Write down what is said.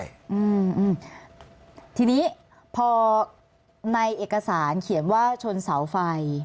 อืมทีนี้พอในเอกสารเขียนว่าชนเสาไฟ